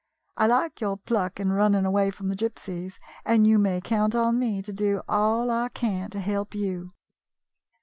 I like your pluck in running away from the Gypsies, and you may count on me to do all I can to help you."